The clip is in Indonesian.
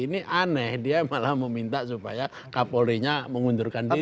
ini aneh dia malah meminta supaya kapolri nya mengundurkan diri